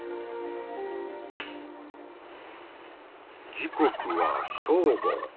時刻は正午。